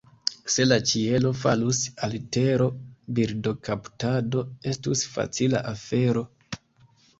Se la ĉielo falus al tero, birdokaptado estus facila afero.